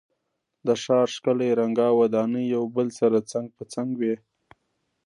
د ښار ښکلی رنګه ودانۍ یو بل سره څنګ په څنګ وې.